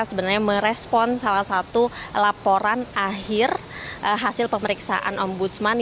sebenarnya merespon salah satu laporan akhir hasil pemeriksaan ombudsman